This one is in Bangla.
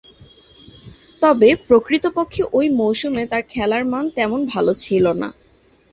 তবে, প্রকৃতপক্ষে ঐ মৌসুমে তার খেলার মান তেমন ভালো ছিল না।